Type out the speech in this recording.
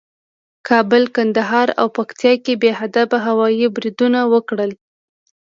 کابل، کندهار او پکتیکا کې بې هدفه هوایي بریدونه وکړل